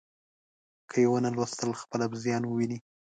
که یې ونه ولوستل، خپله به زیان وویني.